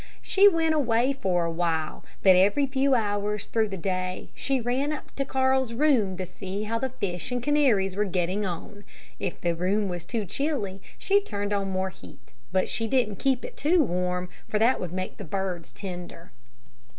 She went away for a while, but every few hours through the day she ran up to Carl's room to see how the fish and canaries were getting on. If the room was too chilly she turned on more heat; but she did not keep it too warm, for that would make the birds tender.